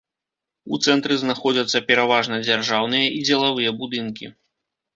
У цэнтры знаходзяцца пераважна дзяржаўныя і дзелавыя будынкі.